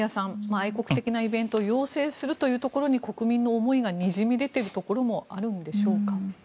愛国的なイベントを要請するというところに国民の思いがにじみ出ているところもあるんでしょうか。